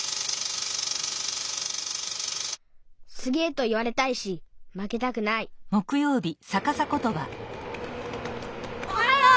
すげえと言われたいしまけたくないおはよう！